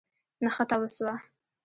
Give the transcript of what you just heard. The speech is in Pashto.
نښته وسوه.